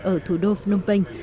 ở thủ đô phnom penh